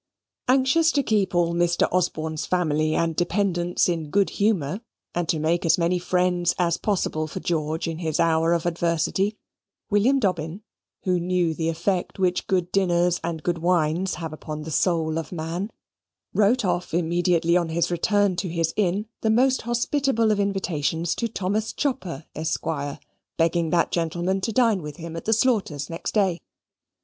Anxious to keep all Mr. Osborne's family and dependants in good humour, and to make as many friends as possible for George in his hour of adversity, William Dobbin, who knew the effect which good dinners and good wines have upon the soul of man, wrote off immediately on his return to his inn the most hospitable of invitations to Thomas Chopper, Esquire, begging that gentleman to dine with him at the Slaughters' next day.